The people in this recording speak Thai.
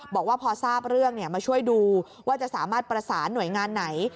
บอกว่าพอทราบเรื่องมาช่วยดูว่าจะสามารถประสานหน่วยงานไหน